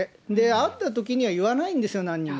会ったときには言わないんですよ、なんにも。